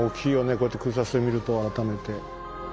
こうやって空撮で見ると改めて。